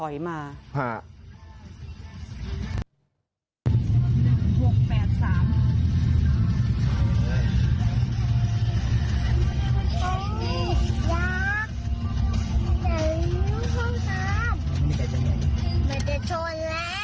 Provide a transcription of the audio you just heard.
ยักษ์อย่าอยู่ข้างตาม